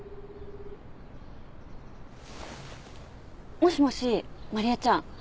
もしもし麻理恵ちゃん